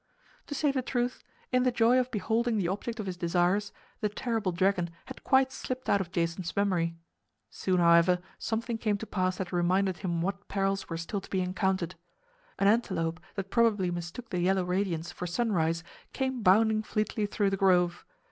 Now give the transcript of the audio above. To say the truth, in the joy of beholding the object of his desires, the terrible dragon had quite slipped out of Jason's memory. Soon, however, something came to pass that reminded him what perils were still to be encountered. An antelope that probably mistook the yellow radiance for sunrise came bounding fleetly through the grove.